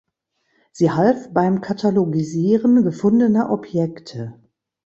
Sie half beim Katalogisieren gefundener Objekte.